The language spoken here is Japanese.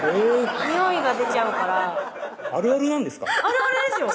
においが出ちゃうからあるあるなんですか？